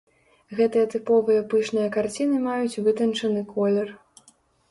Гэтыя тыповыя пышныя карціны маюць вытанчаны колер.